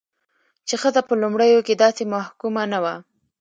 چې ښځه په لومړيو کې داسې محکومه نه وه،